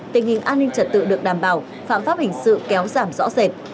tình hình an ninh trật tự được đảm bảo phạm pháp hình sự kéo giảm rõ rệt